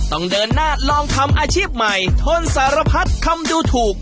ต้องเดินหน้าลองทำอาชีพใหม่ทนสารพัดคำดูถูก